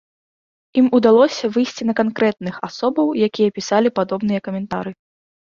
Ім удалося выйсці на канкрэтных асобаў, якія пісалі падобныя каментары.